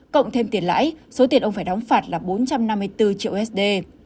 cộng thêm tiền lãi số tiền ông phải đóng phạt là bốn mươi triệu usd